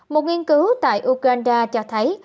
một nghiên cứu tại uganda cho thấy